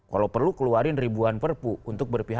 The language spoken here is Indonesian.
kalau perlu keluarin ribuan perpu untuk berpihak